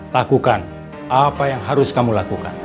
lakukan apa yang harus kamu lakukan